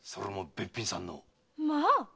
まあ！